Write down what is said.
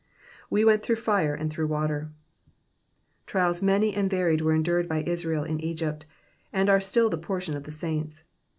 *^We went through Jire and through water.'''' Trials many and varied were endured by Israel in Egypt, and are still the pcrtion of the saints.